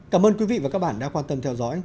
cảm ơn quý vị và các bạn đã quan tâm theo dõi